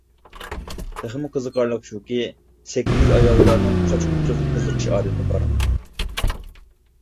تېخىمۇ قىزىقارلىقى شۇكى، سەككىز ئاياغلارنىڭ قاچا-قۇچىغا قىزىقىش ئادىتى بار.